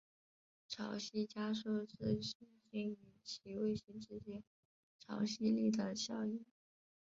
潮汐加速是行星与其卫星之间潮汐力的效应。